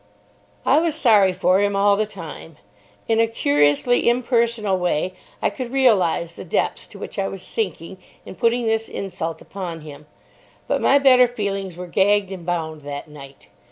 I was sorry for him all the time. In a curiously impersonal way I could realise the depths to which I was sinking in putting this insult upon him. But my better feelings were gagged and bound that night.